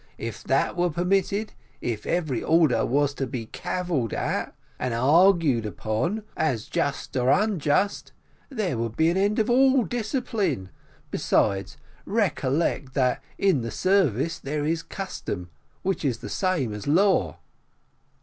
If that were permitted if every order were to be cavilled at and argued upon, as just or unjust, there would be an end of all discipline. Besides, recollect, that in the service there is custom, which is the same as law."